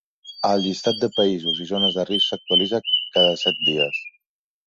El llistat de països i zones de risc s’actualitza cada set dies.